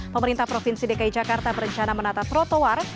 pemerintah provinsi dki jakarta berencana menata trotoar